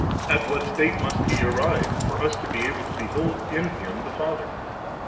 At what state must He arrive, for us to be able to behold in Him the Father ?